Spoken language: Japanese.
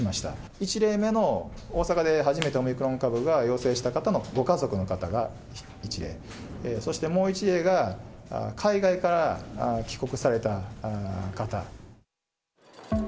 １例目の大阪で初めてオミクロン株が陽性した方のご家族の方が１例、そしてもう１例が、海外から帰国された方。